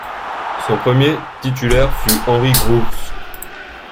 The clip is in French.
Son premier titulaire fut Henri Groulx.